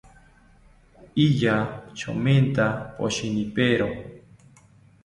Iya chomenta poshinipero